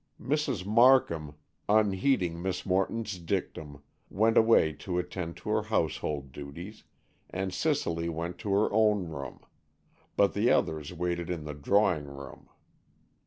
Mrs. Markham, unheeding Miss Morton's dictum, went away to attend to her household duties, and Cicely went to her own room, but the others waited in the drawing room.